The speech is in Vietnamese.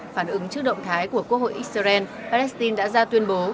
phản ứng trước động thái của quốc hội israel palestine đã ra tuyên bố